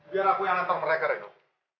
biar aku yang antar mereka ya dok